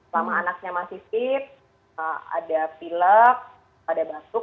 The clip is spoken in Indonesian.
selama anaknya masih fit ada pilek ada batuk